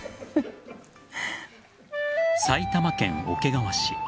埼玉県桶川市。